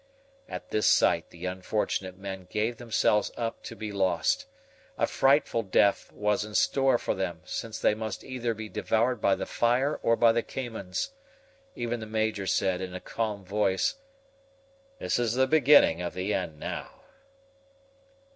At this sight the unfortunate men gave themselves up to be lost. A frightful death was in store for them, since they must either be devoured by the fire or by the caimans. Even the Major said, in a calm voice: "This is the beginning of the end, now."